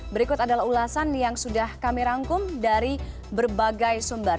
berikut adalah ulasan yang sudah kami rangkum dari berbagai sumber